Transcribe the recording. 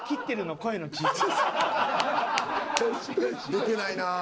出てないな。